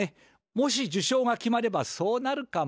もし受賞が決まればそうなるかも。